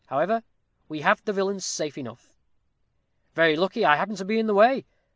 However, we have the villain safe enough. Very lucky I happened to be in the way.